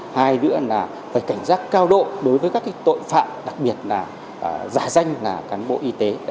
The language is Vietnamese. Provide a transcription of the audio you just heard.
hai nữa là phải cảnh giác cao độ đối với các tội phạm đặc biệt là giả danh là cán bộ y tế